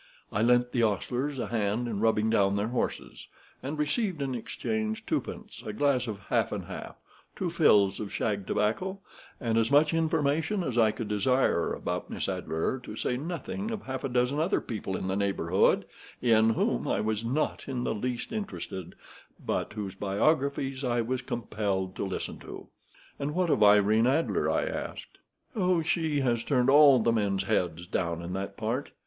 I lent the hostlers a hand in rubbing down their horses, and I received in exchange twopence, a glass of half and half, two fills of shag tobacco, and as much information as I could desire about Miss Adler, to say nothing of half a dozen other people in the neighborhood, in whom I was not in the least interested, but whose biographies I was compelled to listen to." "And what of Irene Adler?" I asked. "Oh, she has turned all the men's heads down in that part.